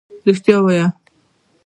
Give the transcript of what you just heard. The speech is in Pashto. رښتيا ووايه.